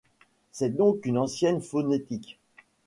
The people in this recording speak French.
C'est donc une ancienne phonétique.